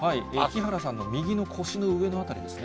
木原さんの右の腰の辺りです